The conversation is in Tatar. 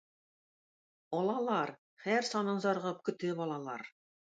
Алалар, һәр санын зарыгып көтеп алалар.